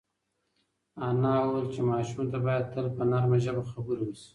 انا وویل چې ماشوم ته باید تل په نرمه ژبه خبرې وشي.